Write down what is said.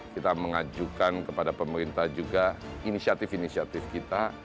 kita mengajukan kepada pemerintah juga inisiatif inisiatif kita